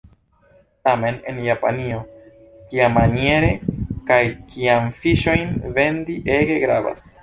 Tamen en Japanio kiamaniere kaj kiajn fiŝojn vendi ege gravas.